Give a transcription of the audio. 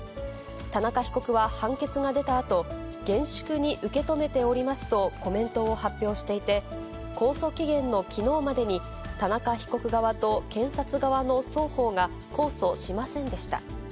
田中被告は判決が出たあと、厳粛に受け止めておりますとコメントを発表していて、控訴期限のきのうまでに、田中被告側と検察側の双方が控訴しませんでした。